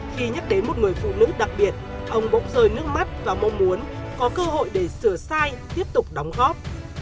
khi nhắc đến một người phụ nữ đặc biệt ông bóng rời nước mắt và mong muốn có cơ hội để sửa sai tiếp tục đóng góp